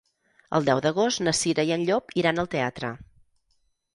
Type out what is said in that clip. El deu d'agost na Cira i en Llop iran al teatre.